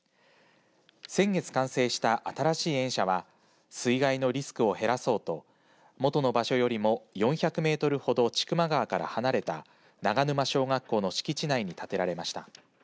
先月完成した新しい園舎は水害のリスクを減らそうと元の場所よりも４００メートルほど千曲川から離れた長沼小学校の敷地内に建てられました。